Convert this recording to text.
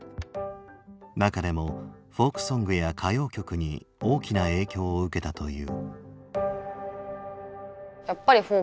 中でもフォークソングや歌謡曲に大きな影響を受けたという。